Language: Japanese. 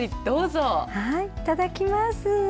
はい、いただきます。